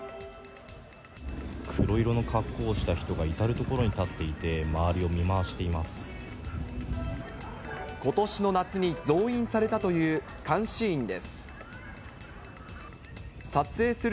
黒色の格好をした人が至る所に立っていて、周りを見回しています。